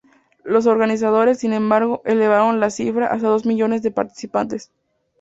Los organizadores, sin embargo, elevaron la cifra hasta dos millones de participantes.